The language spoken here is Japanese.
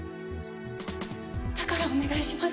だからお願いします。